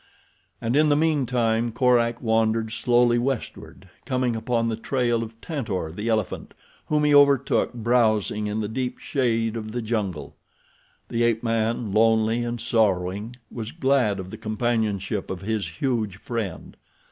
And in the meantime Korak wandered slowly westward, coming upon the trail of Tantor, the elephant, whom he overtook browsing in the deep shade of the jungle. The ape man, lonely and sorrowing, was glad of the companionship of his huge friend.